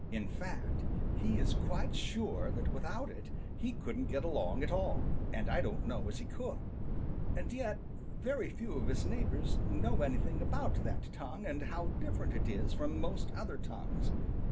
In fact, he is quite sure that without it he couldn't get along at all, and I don't know as he could. And yet very few of his neighbors know anything about that tongue and how different it is from most other tongues.